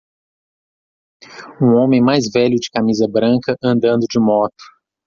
Um homem mais velho de camisa branca andando de moto.